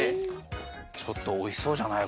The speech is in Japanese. ちょっとおいしそうじゃない？